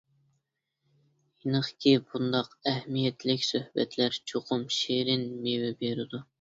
ئېنىقكى، بۇنداق ئەھمىيەتلىك سۆھبەتلەر چوقۇم شېرىن مېۋە بېرىدۇ.